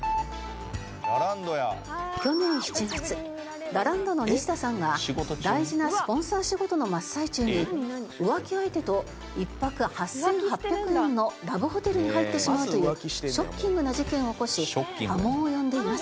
去年７月ラランドのニシダさんが大事なスポンサー仕事の真っ最中に浮気相手と１泊８８００円のラブホテルに入ってしまうというショッキングな事件を起こし波紋を呼んでいます。